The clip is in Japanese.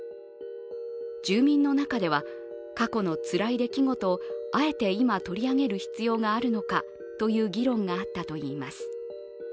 住民の中では、過去のつらい出来事をあえて今、取り上げる必要があるのかという議論があったといいます。